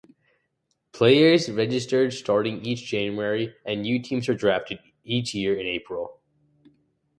Players registered starting each January and new teams are drafted each year in April.